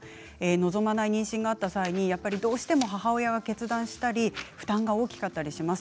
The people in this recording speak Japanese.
望まない妊娠があった際どうしても母親が決断したり負担が大きかったりします。